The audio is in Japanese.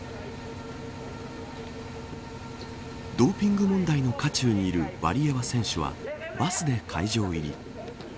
ドーピング問題の渦中にいるワリエワ選手はバスで会場入り。